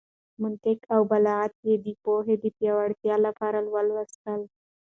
منطق او بلاغت يې د پوهې د پياوړتيا لپاره ولوستل.